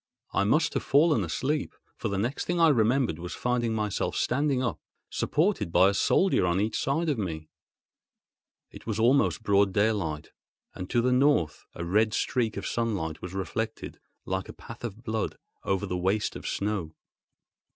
I must have fallen asleep; for the next thing I remembered was finding myself standing up, supported by a soldier on each side of me. It was almost broad daylight, and to the north a red streak of sunlight was reflected, like a path of blood, over the waste of snow.